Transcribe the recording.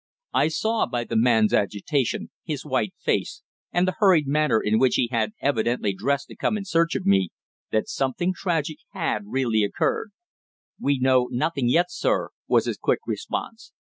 I saw by the man's agitation, his white face, and the hurried manner in which he had evidently dressed to come in search of me, that something tragic had really occurred. "We know nothing yet, sir," was his quick response.